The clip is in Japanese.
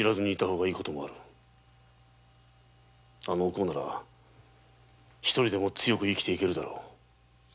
おこうなら一人でも強く生きて行けるだろう。